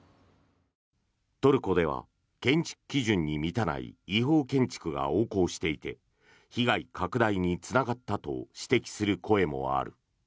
トルコでは建築基準に満たない違法建築が横行していて被害拡大につながったと指摘する声もある。